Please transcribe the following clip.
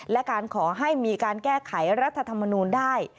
และการขอให้มีการแก้ไขรัฐธรรมนูลได้